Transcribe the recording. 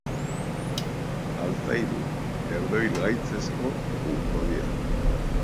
Altzairu herdoilgaitzezko U hodia.